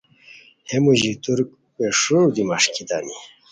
ہے موژی ترک پیݰیرو دی مݰکیتانی